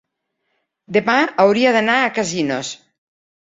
Demà hauria d'anar a Casinos.